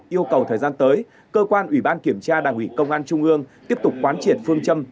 yêu cầu thời gian tới cơ quan ủy ban kiểm tra đảng ủy công an trung ương tiếp tục quán triệt phương châm